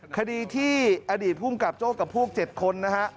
คดีที่อดีตภูมิกับโจ้กับพวก๗คนนะฮะ